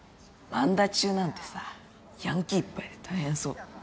萬田中なんてさヤンキーいっぱいで大変そう。